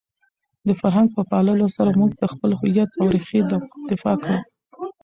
د فرهنګ په پاللو سره موږ د خپل هویت او رېښې دفاع کوو.